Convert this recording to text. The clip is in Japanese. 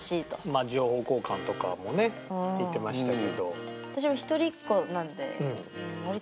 まあ情報交換とかもね言ってましたけど。